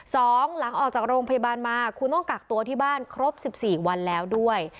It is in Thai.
หลังออกจากโรงพยาบาลมาคุณต้องกักตัวที่บ้านครบสิบสี่วันแล้วด้วย